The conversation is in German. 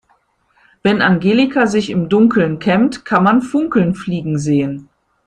Wenn Angelika sich im Dunkeln kämmt, kann man Funken fliegen sehen.